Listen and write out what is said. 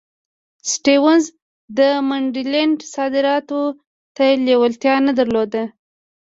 سټیونز د منډلینډ صادراتو ته لېوالتیا نه درلوده.